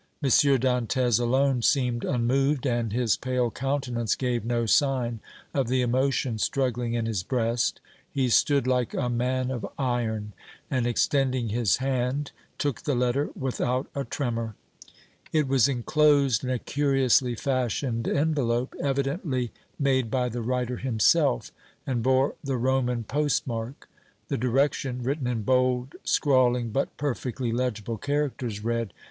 Dantès alone seemed unmoved, and his pale countenance gave no sign of the emotion struggling in his breast; he stood like a man of iron, and extending his hand took the letter without a tremor. It was enclosed in a curiously fashioned envelope, evidently made by the writer himself, and bore the Roman postmark; the direction, written in bold, scrawling, but perfectly legible characters, read: "M.